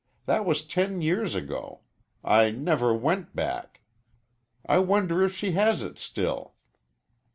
That was ten years ago. I never went back. I wonder if she has it still?"